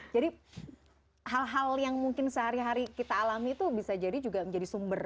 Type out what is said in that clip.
jadi hal hal yang mungkin sehari hari kita alami itu bisa jadi juga menjadi sumber